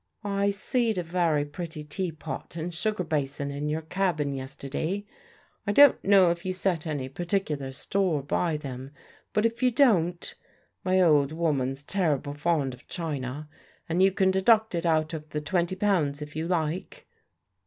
"I see'd a very pretty teapot and sugar basin in your cabin yestiddy. I don't know if you set any particular store by them; but if you don't, my old woman's terrible fond of china, and you can deduct it out of the twenty pounds, it you like."